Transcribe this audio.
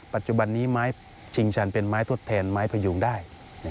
ปัจจุบันนี้ไม้ชิงชันเป็นไม้ทดแทนไม้พยุงได้